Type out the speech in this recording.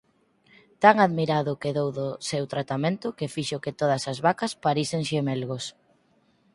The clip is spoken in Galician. Tan admirado quedou do seu tratamento que fixo que todas as vacas parisen xemelgos.